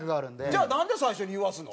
じゃあなんで最初に言わすの？